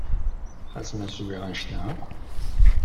Ɣas ma swiɣ anect-a akk?